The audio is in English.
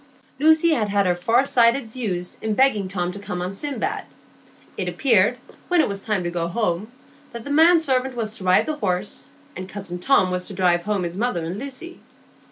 Lucy had had her far sighted views in begging Tom to come on Sindbad. It appeared, when it was time to go home, that the man servant was to ride the horse, and cousin Tom was to drive home his mother and Lucy.